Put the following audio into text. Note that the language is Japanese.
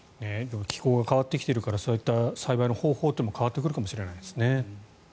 気候が変わってきているからそうした栽培の方法も変わってくるかもしれないですね。